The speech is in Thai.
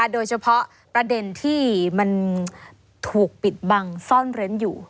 โดยเฉพาะประเด็นที่มันถูกปิดบังซ่อนเร้นอยู่